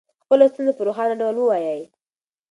خپله ستونزه په روښانه ډول ووایئ.